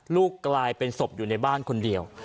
กลายเป็นศพอยู่ในบ้านคนเดียว